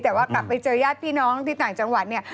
แต่ว่ากลับไปเจอญาติพี่น้องที่ต่างจังหวัดเนี่ย